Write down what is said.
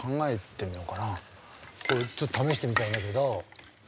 ちょっと試してみたいんだけど。